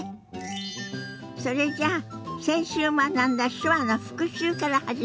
それじゃあ先週学んだ手話の復習から始めましょ。